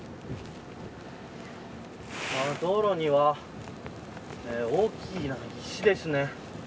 道路には大きな石ですね。